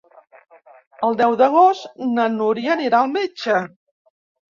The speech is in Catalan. El deu d'agost na Núria anirà al metge.